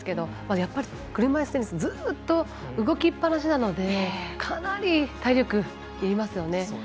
やっぱり、車いすテニスずっと動きっぱなしなのでかなり体力いりますよね。